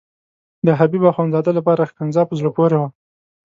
د حبیب اخندزاده لپاره ښکنځا په زړه پورې وه.